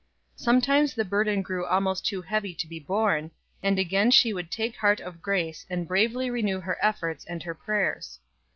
Sometimes the burden grew almost too heavy to be borne, and again she would take heart of grace and bravely renew her efforts and her prayers.